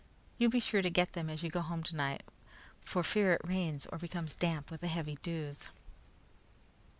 You be sure to get them as you go home tonight, for fear it rains or becomes damp with the heavy dews."